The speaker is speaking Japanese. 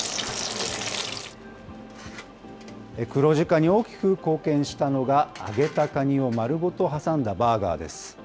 黒字化に大きく貢献したのが、揚げたカニを丸ごと挟んだバーガーです。